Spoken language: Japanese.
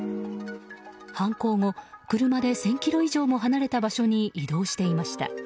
犯行後、車で１０００ｋｍ以上も離れた場所に移動していました。